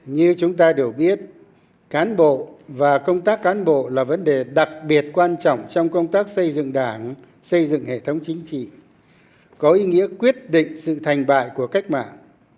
như chúng ta đều biết cán bộ và công tác cán bộ là vấn đề đặc biệt quan trọng trong công tác xây dựng đảng xây dựng hệ thống chính trị có ý nghĩa quyết định sự thành bại của cách mạng